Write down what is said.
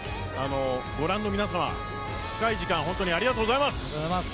ご覧の皆さま、深い時間本当にありがとうございます。